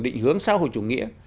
định hướng xã hội chủ nghĩa